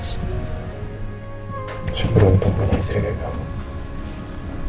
saya beruntung punya istri dengan kamu